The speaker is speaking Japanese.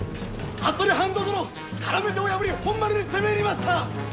服部半蔵殿からめ手を破り本丸に攻め入りました！